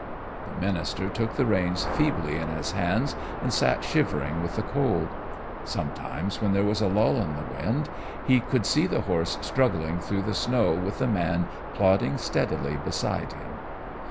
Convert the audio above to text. The minister took the reins feebly in his hands and sat shivering with the cold. Sometimes when there was a lull in the wind, he could see the horse struggling through the snow with the man plodding steadily beside him.